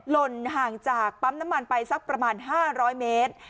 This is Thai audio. หล่นห่างจากปั๊มน้ำมันไปสักประมาณ๕๐๐เมตร